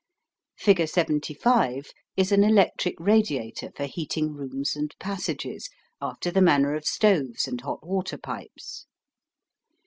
Figure 75 is an electric radiator for heating rooms and passages, after the manner of stoves and hot water pipes.